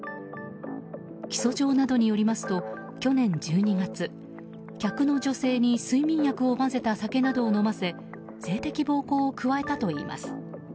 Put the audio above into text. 起訴状などによりますと去年１２月、客の女性に睡眠薬を混ぜた酒などを飲ませ性的暴行を加えたといいます。